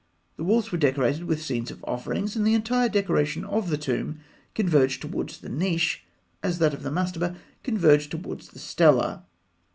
The walls were decorated with scenes of offerings, and the entire decoration of the tomb converged towards the niche, as that of the mastaba converged towards the stela.